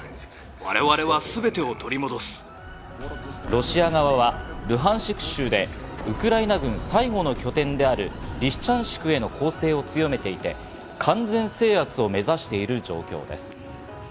ロシア側はルハンシク州でウクライナ軍最後の拠点であるリシチャンシクへの攻勢を強めていて、完全制圧を目指している状況です。